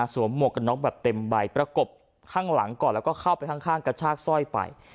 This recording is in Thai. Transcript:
หมวกกันน็อกแบบเต็มใบประกบข้างหลังก่อนแล้วก็เข้าไปข้างกระชากสร้อยไป